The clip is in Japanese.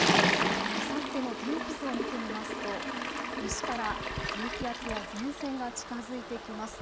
あさっての天気図を見てみますと西から低気圧や前線が近づいてきます。